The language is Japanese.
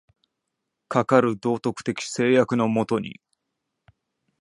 かかる道徳的制約の下に、